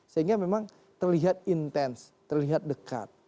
sehingga memang terlihat intens terlihat dekat